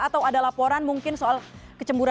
atau ada laporan mungkin soal kecemburan